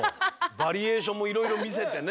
バリエーションもいろいろ見せてね。